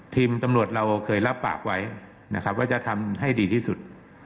ทีมตำรวจเราเคยรับปากไว้นะครับว่าจะทำให้ดีที่สุด